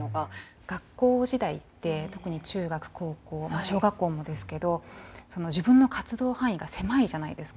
学校時代って特に中学・高校小学校もですけど自分の活動範囲が狭いじゃないですか。